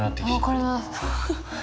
分かります。